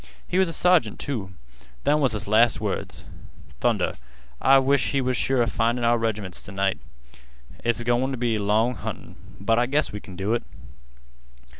He was a sergeant, too. Them was his last words. Thunder, I wish we was sure 'a findin' our reg'ments t' night. It's goin' t' be long huntin'. But I guess we kin do it."